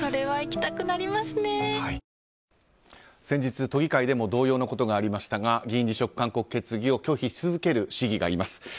先日、都議会でも同様のことがありましたが議員辞職勧告を拒否し続ける市議がいます。